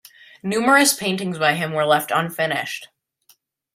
Numerous paintings by him were left unfinished.